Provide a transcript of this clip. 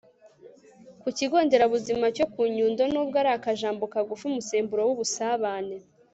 ku kigo ndera buzima cyo ku nyundo. n'ubwo ari akajambo kagufi, umusemburo w'ubusabane